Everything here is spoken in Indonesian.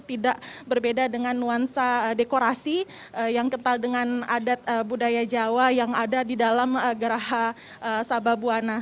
tidak berbeda dengan nuansa dekorasi yang kental dengan adat budaya jawa yang ada di dalam geraha sababwana